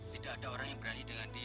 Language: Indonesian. dia kata ini bukan jamu